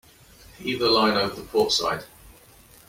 Heave the line over the port side.